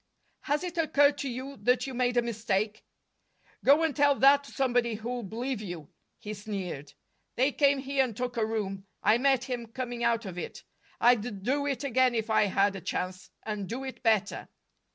"Has it occurred to you that you made a mistake?" "Go and tell that to somebody who'll believe you!" he sneered. "They came here and took a room. I met him coming out of it. I'd do it again if I had a chance, and do it better."